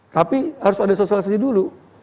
tapi harus ada sosialisasi dulu